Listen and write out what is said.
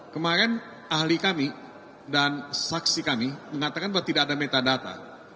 kemarin ahli kami dan saksi kami mengatakan bahwa tidak ada metadata